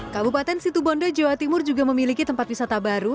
kabupaten situbondo jawa timur juga memiliki tempat wisata baru